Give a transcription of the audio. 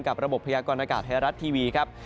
ระบบพยากรณากาศไทยรัฐทีวีครับ